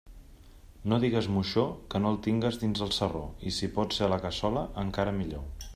No digues moixó que no el tingues dins del sarró, i si pot ser a la cassola, encara millor.